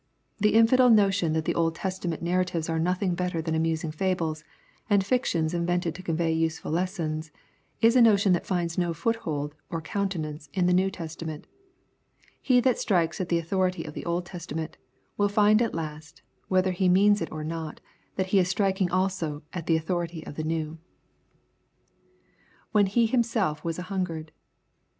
The infidel notion, that the Old Testament narratives are nothing better than amusing fables, and fictions invented to convey useful lessons, is a notion that finds no foot hold, or countenance in the New Testament He that strikes at the authority of the Old Testament^ will find at last, whether he means it or not^ that he is striking slso at the authority of the New. [ When himself was an hungered.